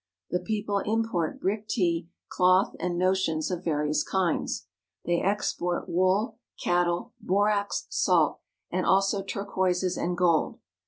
The people import brick tea, cloth, and notions of various kinds. They export wool, cattle, borax, salt, and also turquoises and gold.